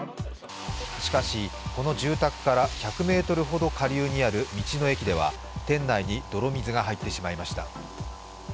しかし、この住宅から１００ｍほど下流にある道の駅では店内に泥水が入ってしまいました。